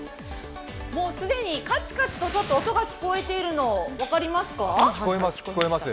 もう既にカチカチと音が聞こえているの、分かりますか？